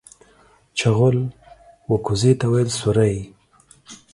چغول و کوزې ته ويل سورۍ.